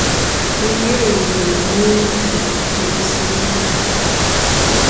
Ɨyêyn nɨ̀n ghɨ nkfɨ i timsɨnɨ.